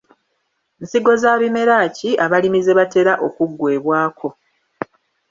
Nsigo za bimera ki abalimi ze batera okuggwebwako?